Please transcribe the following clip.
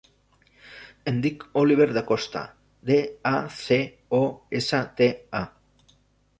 Em dic Oliver Dacosta: de, a, ce, o, essa, te, a.